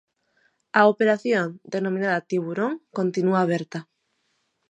A operación, denominada 'Tiburón', continúa aberta.